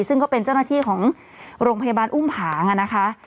ซึ่งก็เป็นเจ้าหน้าที่ของโรงพยาบาลอุ้มผางนะคะ